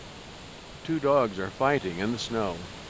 Two dogs are fighting in the snow.